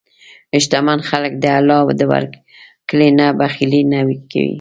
شتمن خلک د الله د ورکړې نه بخیلي نه کوي.